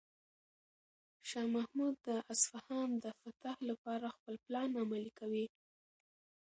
شاه محمود د اصفهان د فتح لپاره خپل پلان عملي کوي.